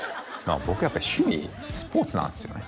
僕やっぱ趣味スポーツなんですよね